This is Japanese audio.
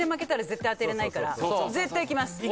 絶対いきます。